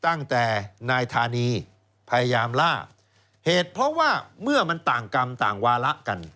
ตั้งแต่นายธานีพยายามล่าเหตุเพราะว่าเมื่อมันต่างกรรมต่างวาระกัน